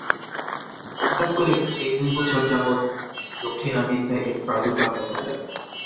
হঠাৎ করে গত দুই বছর যাবৎ দক্ষিণ আমেরিকায় এর প্রাদুর্ভাব দেখা দেয়।